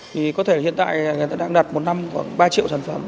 hiện tại người ta đang đặt một năm khoảng ba triệu sản phẩm